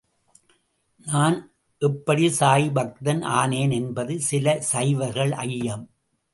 நான் எப்படி சாயிபக்தன் ஆனேன் என்பது சில சைவர்கள் ஐயம்.